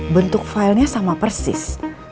bentuk file nya sama persis